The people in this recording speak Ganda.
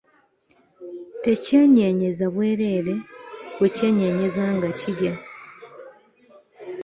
Tekyenyeenyeza bweereere, bwe kyenyeenya nga kirya.